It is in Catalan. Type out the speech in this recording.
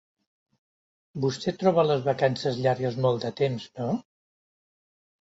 Vostè troba les vacances llargues molt de temps, no?